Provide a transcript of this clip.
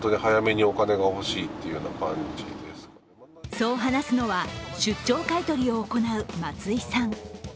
そう話すのは、出張買い取りを行う松井さん。